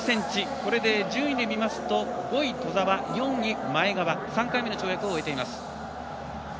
これで順位でみますと５位、兎澤、４位、前川３回目の跳躍を終えています。